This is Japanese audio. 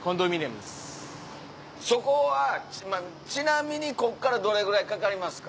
そこはちなみにこっからどれぐらいかかりますか？